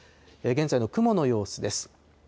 現在の雲の様子です。